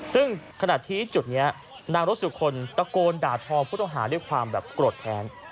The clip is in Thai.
ซึ่งขณะที่จุดนี้นางรสสุคนตะโกนด่าทอผู้ต้องหาด้วยความแบบโกรธแค้น